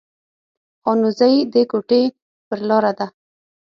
خانوزۍ د کوټي پر لار ده